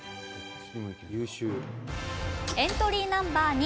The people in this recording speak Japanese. エントリーナンバー２。